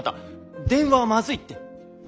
電話はまずいって。